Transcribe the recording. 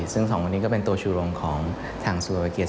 ซึ่งสองคนนี้ก็เป็นตัวชุโรงของทางสุลาวาเกียร์